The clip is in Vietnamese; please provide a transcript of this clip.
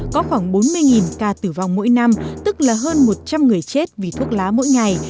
có khoảng bốn mươi ca tử vong mỗi năm tức là hơn một trăm linh người chết vì thuốc lá mỗi ngày